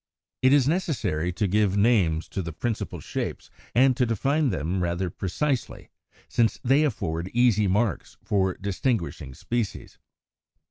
= It is necessary to give names to the principal shapes, and to define them rather precisely, since they afford easy marks for distinguishing species.